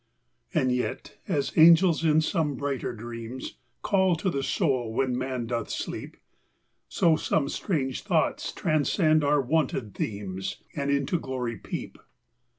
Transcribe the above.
And yet, as angels in some brighter dreams Call to the soul when man doth sleep, So some strange thoughts transcend our wonted themes. And into glory peep.